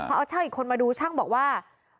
พอเอาช่างอีกคนมาดูช่างบอกว่า